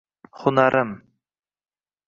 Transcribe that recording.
Hunarim.